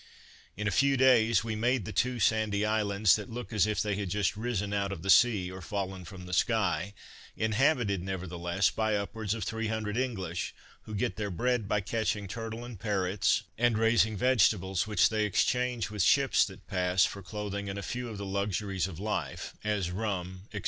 In a few days we made the two sandy islands, that look as if they had just risen out of the sea, or fallen from the sky; inhabited, nevertheless, by upwards of three hundred English, who get their bread by catching turtle and parrots, and raising vegetables, which they exchange with ships that pass, for clothing and a few of the luxuries of life, as rum, &c.